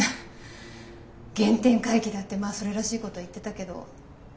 原点回帰だってまあそれらしいことは言ってたけど。